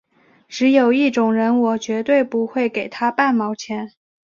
只有一种人我绝对不会给他半毛钱